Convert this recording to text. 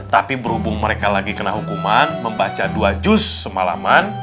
tapi berhubung mereka lagi kena hukuman membaca dua jus semalaman